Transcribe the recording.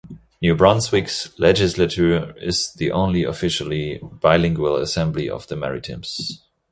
New Brunswick's legislature is the only officially bilingual assembly of the Maritimes.